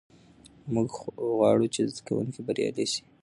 موږ غواړو چې زده کوونکي بریالي سي.